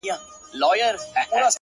شکر د خدای په نعموتو کي چي تا وينم;